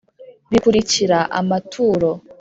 bikurikira amaturo .